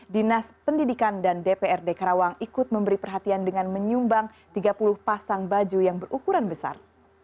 dinas pendidikan dan dprd karawang ikut memberi perhatian dengan menyumbang tiga puluh pasang baju yang berukuran besar